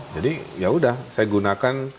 jadi ya udah saya gunakan